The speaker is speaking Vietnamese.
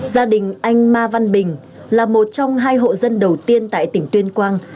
gia đình anh ma văn bình là một trong hai hộ dân đầu tiên tại tỉnh tuyên quang